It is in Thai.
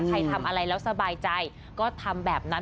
ทำอะไรแล้วสบายใจก็ทำแบบนั้น